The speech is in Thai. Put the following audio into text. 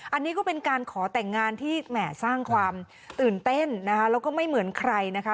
อันนี้ก็เป็นการขอแต่งงานที่แหม่สร้างความตื่นเต้นนะคะแล้วก็ไม่เหมือนใครนะคะ